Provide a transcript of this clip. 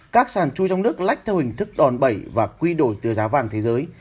các sàn chui trong nước lách theo hình thức đòn bẩy và quy đổi từ giá vàng thế giới